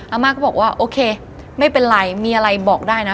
อาม่าก็บอกว่าโอเคไม่เป็นไรมีอะไรบอกได้นะ